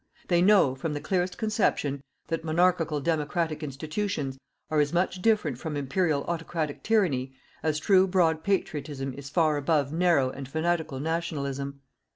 They know, from the clearest conception, that Monarchical democratic institutions are as much different from Imperial autocratic tyranny, as true broad patriotism is far above narrow and fanatical "Nationalism."